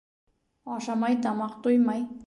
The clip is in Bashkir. Ашамай тамаҡ туймай